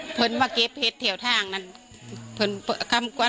ปกติพี่สาวเราเนี่ยครับเป็นคนเชี่ยวชาญในเส้นทางป่าทางนี้อยู่แล้วหรือเปล่าครับ